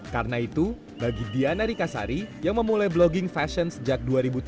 karena itu bagi diana rikasari yang memulai blogging fashion sejak dua ribu tujuh